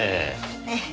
ええ。